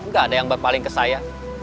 nggak ada yang berpaling ke saya